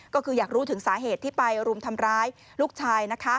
ก็คืออยากรู้ถึงสาเหตุที่ไปรุมทำร้ายลูกชาย